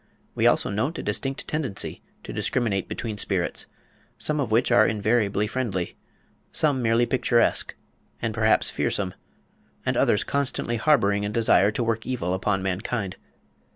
We also note a distinct tendency to discriminate between spirits, some of which are invariably friendly, some merely picturesque, and perhaps fearsome, and others constantly harbouring a desire to work evil upon mankind.